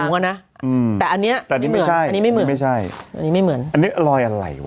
อืมแต่อันเนี้ยแต่อันนี้ไม่เหมือนอันนี้ไม่เหมือนอันนี้ไม่เหมือนอันนี้รอยอะไรวะ